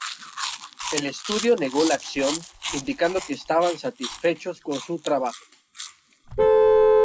El estudio negó la acción indicando que estaban satisfechos con su trabajo.